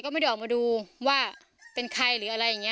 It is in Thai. พ่อแบมนี่แหละ